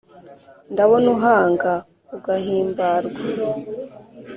ndabona uhanga ugahimbarwa